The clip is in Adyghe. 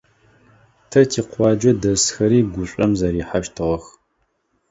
Тэ тикъуаджэ дэсхэри гушӀом зэрихьэщтыгъэх.